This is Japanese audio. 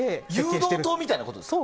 誘導灯みたいなことですか？